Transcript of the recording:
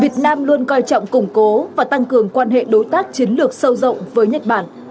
việt nam luôn coi trọng củng cố và tăng cường quan hệ đối tác chiến lược sâu rộng với nhật bản